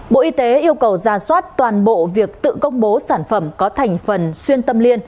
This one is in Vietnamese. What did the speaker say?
bộ y tế yêu cầu ra soát toàn bộ việc tự công bố sản phẩm có thành phần xuyên tâm liên